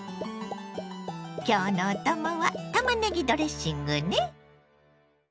今日のお供はたまねぎドレッシングね。